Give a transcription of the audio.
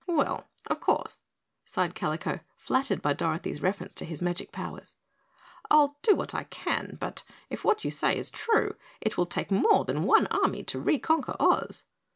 "Well, of course," sighed Kalico, flattered by Dorothy's reference to his magic powers, "I'll do what I can, but if what you say is true, it will take more than one army to reconquer Oz."